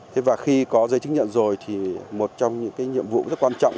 thế và khi có giấy chứng nhận rồi thì một trong những cái nhiệm vụ rất quan trọng